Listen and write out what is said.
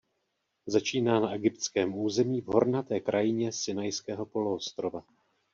Začíná na egyptském území v hornaté krajině Sinajského poloostrova.